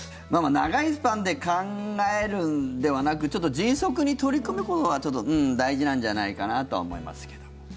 長いスパンで考えるんではなくちょっと迅速に取り組むことが大事なんじゃないかなとは思いますけど。